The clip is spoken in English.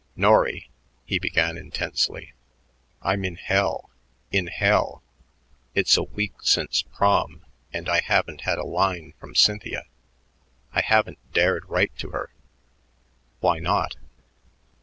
"Norry," he began intensely, "I'm in hell in hell. It's a week since Prom, and I haven't had a line from Cynthia. I haven't dared write to her." "Why not?"